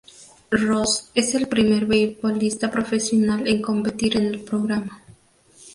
Ross es el primer beisbolista profesional en competir en el programa.